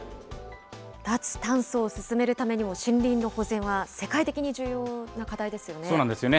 脱炭素を進めるためにも、森林の保全は世界的に重要な課題でそうなんですよね。